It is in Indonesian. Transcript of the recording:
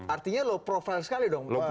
artinya low profile sekali dong mas osdar